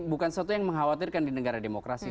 bukan sesuatu yang mengkhawatirkan di negara demokrasi